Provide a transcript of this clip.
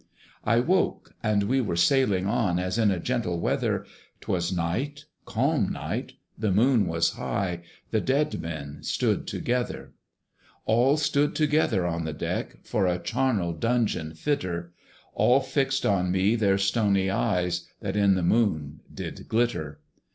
I woke, and we were sailing on As in a gentle weather: 'Twas night, calm night, the Moon was high; The dead men stood together. All stood together on the deck, For a charnel dungeon fitter: All fixed on me their stony eyes, That in the Moon did glitter.